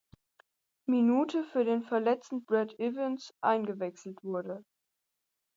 Minute für den verletzten Brad Evans eingewechselt wurde.